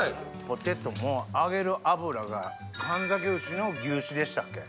ポテトも揚げる油が門崎丑の牛脂でしたっけ？